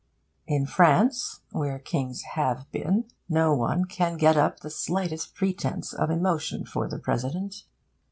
In France, where kings have been, no one can get up the slightest pretence of emotion for the President.